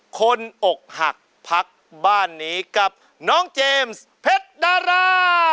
นอกหักพักบ้านนี้กับน้องเจมส์เพชรดารา